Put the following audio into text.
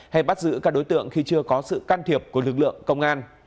hay bắt giữ các đối tượng khi chưa có sự can thiệp của lực lượng công an